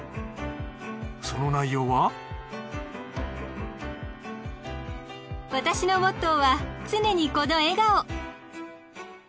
その内容は「私のモットーは常にこの笑顔」。